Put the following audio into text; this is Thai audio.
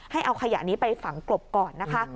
ให้เอาขยะนี้ไปฝังกลบก่อนนะคะ